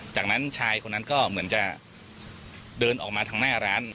จากนั้นชายคนนั้นก็เหมือนจะเดินออกมาทางหน้าร้าน